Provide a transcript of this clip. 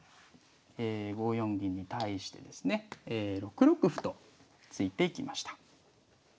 ５四銀に対してですね６六歩と突いていきました。